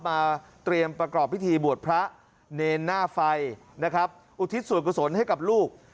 เตรียมประกอบพิธีบวชพระเนรหน้าไฟนะครับอุทิศส่วนกุศลให้กับลูก